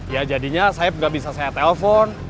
ya jadinya saya nggak bisa saya telepon